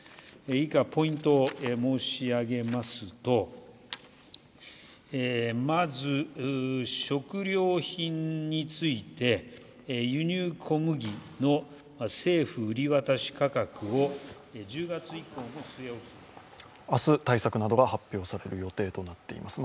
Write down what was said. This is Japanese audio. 以下ポイントを申し上げますとまず食料品について、輸入小麦の政府売り渡し価格を明日、対策などが発表される予定となっています。